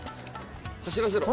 「走らせろ！」